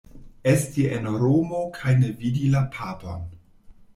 Esti en Romo kaj ne vidi la Papon.